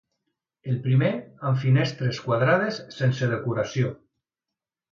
El primer amb finestres quadrades sense decoració.